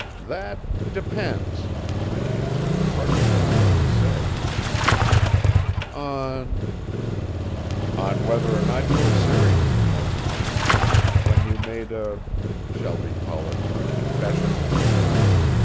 "That depends," I answered, hardly knowing what to say. "On " "On whether or not you were serious, once upon a time, when you made a shall we call it a confession?